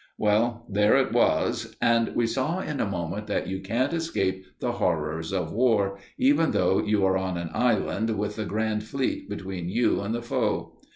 Well, there it was; and we saw in a moment that you can't escape the horrors of war, even though you are on an island with the Grand Fleet between you and the foe.